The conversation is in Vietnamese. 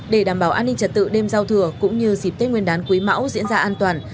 để đảm bảo an ninh trật tự đêm giao thừa cũng như dịp tết nguyên đán quý mão diễn ra an toàn